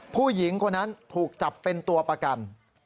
ผู้หญิงคนนั้นถูกจับเป็นตัวประกัน